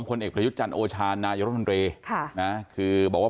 เอกประยุทธ์จันทร์โอชาญนายรัฐมนตรีค่ะนะคือบอกว่า